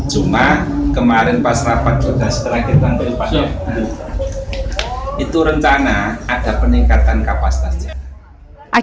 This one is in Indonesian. cuma kemarin pas rapat sudah setelah kita berpacaran itu rencana ada peningkatan kapasitas jalan